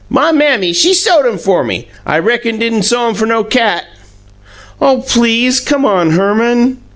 My Mammy, she sewed 'em fer ME, I reckon d'in' sew 'em fer no cat!" "Oh, PLEASE, come on, Herman!"